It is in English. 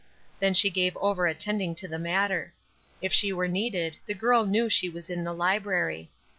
Then she gave over attending to the matter. If she were needed the girl knew she was in the library.